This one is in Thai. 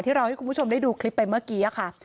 เราให้คุณผู้ชมได้ดูคลิปไปเมื่อกี้ค่ะ